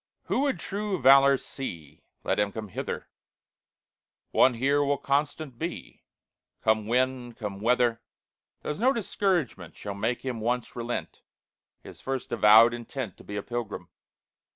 "Who would true valor see, Let him come hither; One here will constant be, Come wind, come weather; There's no discouragement Shall make him once relent His first avowed intent To be a pilgrim.